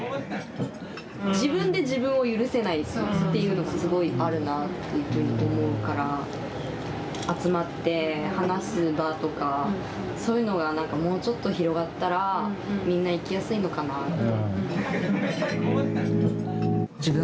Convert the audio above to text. ・悔しい。っていうのがすごいあるなっていうふうに思うから集まって話す場とかそういうのがなんかもうちょっと広がったらみんな生きやすいのかなって。